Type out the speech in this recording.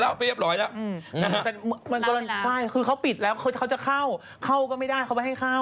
แต่มันก็เรียนใช่คือเขาปิดแล้วเขาก็จะเข้าเขาก็ไม่ได้เขาไม่ให้เข้า